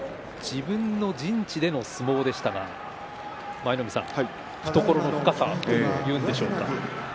自分の陣地での相撲でしたが舞の海さん懐の深さというんでしょうかね。